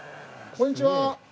こんにちは。